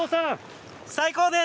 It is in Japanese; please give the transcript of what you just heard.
最高です！